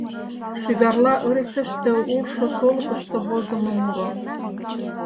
Шӱгарла ыресыште улшо солыкышто возымо муро.